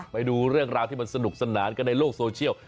ไปดูเรื่องราวที่มันสนุกสนานกันในโลกโซเชียล